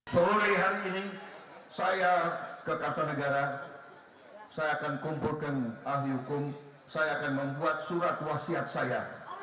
sore hari ini saya ke kartanegara saya akan kumpulkan ahli hukum saya akan membuat surat wasiat saya